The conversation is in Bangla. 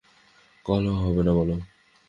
কলহ হবে না, বলো!